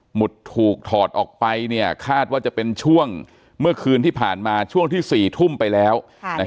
ถูกถอดออกไปคาดว่าจะเป็นช่วงเมื่อคืนที่ผ่านมาช่วงที่๔ทุ่มไปแล้ว